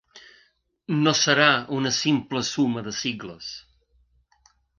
No serà una simple suma de sigles.